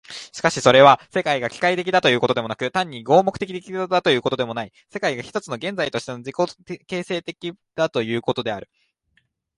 しかしそれは、世界が機械的だということでもなく、単に合目的的だということでもない、世界が一つの現在として自己形成的だということである。